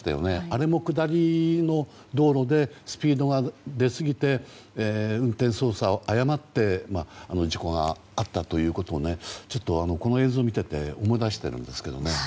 あれも下りの道路でスピードが出すぎて運転操作を誤って事故があったということでちょっとこの映像を見てて思い出しているんですけどね。